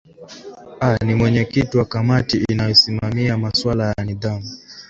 aa ni mwenyekiti wa kamati inayosimamia maswala ya nidhamu